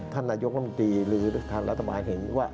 นายกรมตรีหรือทางรัฐบาลเห็นว่า